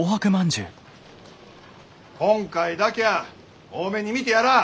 今回だきゃあ大目に見てやらあ。